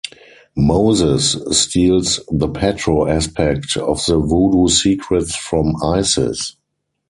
Moses steals the Petro aspect of the Voodoo secrets from Isis.